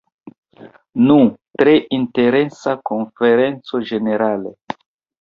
Nu, tre interesa konferenco ĝenerale.